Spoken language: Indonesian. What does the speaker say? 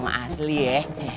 masih alam asli ye